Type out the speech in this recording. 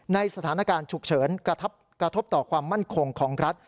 ในสถานการณ์ฉุกเฉินกระทบต่อความมั่นคงของรัฐ